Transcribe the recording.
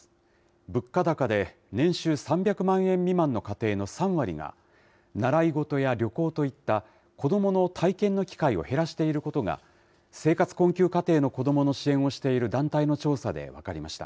物価高で年収３００万円未満の家庭の３割が、習い事や旅行といった子どもの体験の機会を減らしていることが、生活困窮家庭の子どもの支援をしている団体の調査で分かりました。